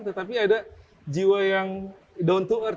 tetapi ada jiwa yang down to earth